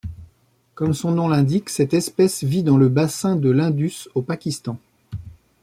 Comme son nom l'indique, cette espèce vit dans le bassin de l'Indus au Pakistan.